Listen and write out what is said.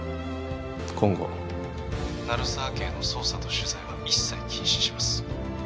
今後鳴沢家への捜査と取材は一切禁止します